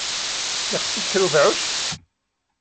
Yeqqes-ik kra n ubeɛɛuc?